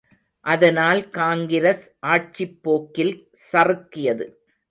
அதனால் காங்கிரஸ் ஆட்சிப் போக்கில் சறுக்கியது!